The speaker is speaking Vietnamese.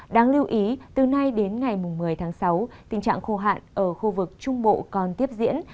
đáng lưu ý từ nay đến ngày một mươi tháng sáu tình trạng khô hạn ở khu vực trung bộ còn tiếp diễn